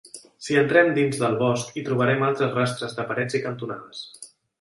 Si entrem dins del bosc, hi trobarem altres rastres de parets i cantonades.